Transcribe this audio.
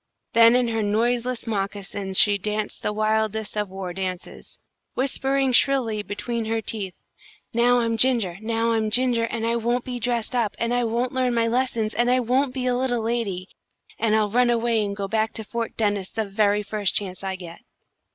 Then in her noiseless moccasins she danced the wildest of war dances, whispering shrilly between her teeth, "Now I'm Ginger! Now I'm Ginger! And I won't be dressed up, and I won't learn my lessons, and I won't be a little lady, and I'll run away and go back to Fort Dennis the very first chance I get!"